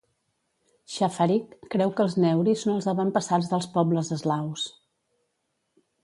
Schafarik creu que els Neuri són els avantpassats del pobles eslaus.